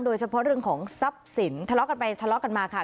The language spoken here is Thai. โดยเฉพาะเรื่องของทรัพย์สินทะเลาะกันไปทะเลาะกันมาค่ะ